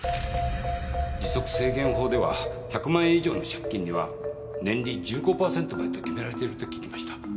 利息制限法では１００万円以上の借金には年利１５％までと決められていると聞きました。